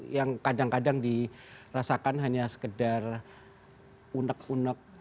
yang kadang kadang dirasakan hanya sekedar unek unek